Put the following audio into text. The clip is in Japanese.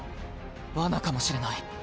罠かもしれない。